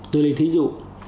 tôi lấy thí dụ